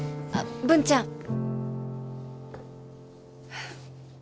あっ文ちゃん。